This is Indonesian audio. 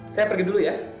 saya pergi dulu ya